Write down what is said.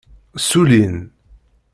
Ssullin.